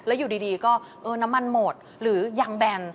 แล้วอยู่ดีก็เออน้ำมันหมดหรือยังแบน